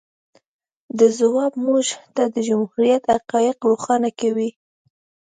د ځواب موږ ته د جمهوریت حقایق روښانه کوي.